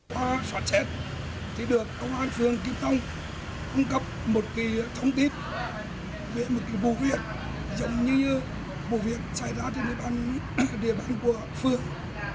qua soát xét thì được công an phường kim long cung cấp một thông tin về một bộ việc giống như bộ việc xảy ra trên địa bàn của phường